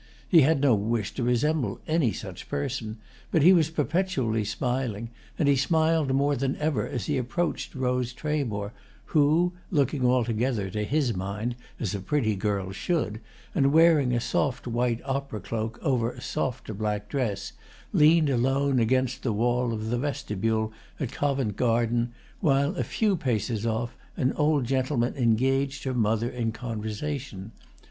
He had no wish to resemble any such person, but he was perpetually smiling, and he smiled more than ever as he approached Rose Tramore, who, looking altogether, to his mind, as a pretty girl should, and wearing a soft white opera cloak over a softer black dress, leaned alone against the wall of the vestibule at Covent Garden while, a few paces off, an old gentleman engaged her mother in conversation.